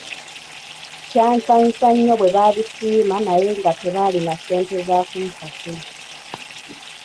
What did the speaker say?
Kyansanyusa nnyo bwe baabisiima naye nga tebalina ssente za kunsasula.